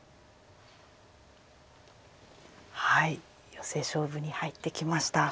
ヨセ勝負に入ってきました。